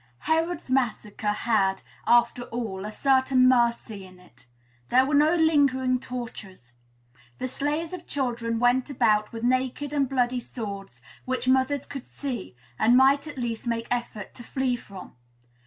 Herod's massacre had, after all, a certain mercy in it: there were no lingering tortures. The slayers of children went about with naked and bloody swords, which mothers could see, and might at least make effort to flee from.